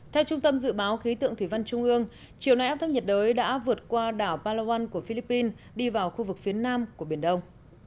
theo trung tâm dự báo khí tượng thủy văn trung ương chiều nay áp thấp nhiệt đới đã vượt qua đảo palawan của philippines đi vào khu vực phía nam của biển đông